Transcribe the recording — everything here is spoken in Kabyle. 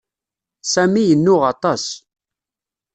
Sami yennuɣ aṭas.